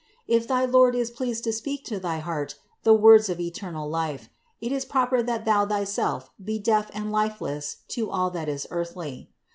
If thy Lord is pleased to speak to thy heart the words of eternal life, it is proper that thou thyself be deaf and lifeless to all that is earthly.